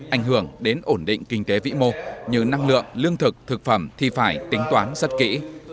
ảnh hưởng đến ổn định kinh tế vĩ mô như năng lượng lương thực thực phẩm thì phải tính toán rất kỹ